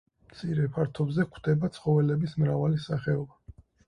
მცირე ფართობზე გვხვდება ცხოველების მრავალი სახეობა.